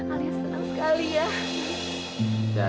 alia senang sekali ya